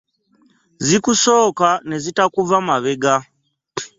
Zikusooka n'e zitakuva mabega .